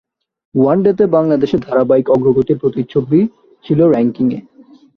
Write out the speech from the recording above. ওয়ানডেতে বাংলাদেশের ধারাবাহিক অগ্রগতির প্রতিচ্ছবি ছিল র্যাঙ্কিংয়ে।